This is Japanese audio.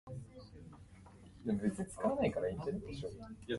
日ごとに車の中の紙の量が増えている気もしたけど、おそらく気のせいだった